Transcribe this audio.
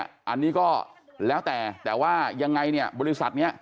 อันนี้ก็แล้วแต่แต่ว่ายังไงเนี่ยบริษัทนี้